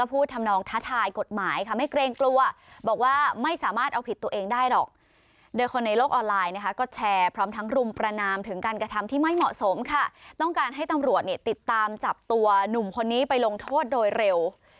โอปอลลายนะคะก็แชร์พร้อมทั้งรุมประนามถึงการกระทำที่ไม่เหมาะสมค่ะต้องการให้ตำรวจเนี่ยติดตามจับตัวหนุ่มคนนี้ไปลงโทษโดยเร็ว